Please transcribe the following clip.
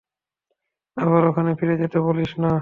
আবার ওখানে ফিরে যেতে বলিস না।